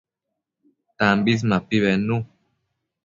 Tambis mapi bednu